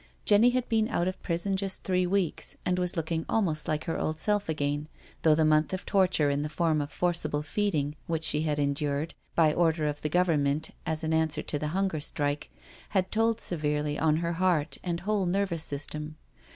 Jenny had been out of prison just three weeks, and was looking almost like her old self again, though the month of torture in the form of forcible feeding which she had endured, by order of the Government as an answer to the Hunger Strike, had told severely on her heart and whole nervous system.